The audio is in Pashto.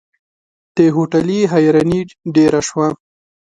د هوټلي حيراني ډېره شوه.